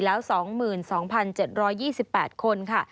แล้ว๒๒๗๒๘คน